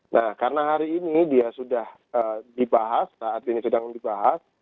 nah karena hari ini dia sudah dibahas saat ini sedang dibahas